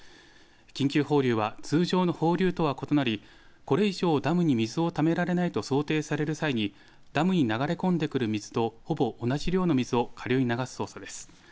緊急放流は通常の放流とは異なりこれ以上、ダムに水をためられないと想定される際にダムに流れ込んでくる水とほぼ同じ量の水を下流に流す操作です。